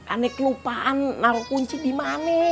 aneh kelupaan naruh kunci dimane